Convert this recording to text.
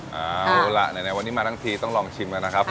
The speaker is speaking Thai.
เฮ้าล่ะไหนวันนี้มาทั้งทีต้องลองชิมนะคะ